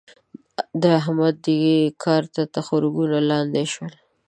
د احمد؛ دې کار ته تخرګونه لانده شول.